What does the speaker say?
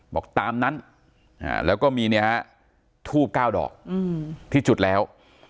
บอกตามนั้นแล้วก็มีทูบก้าวดอกที่จุดแล้ว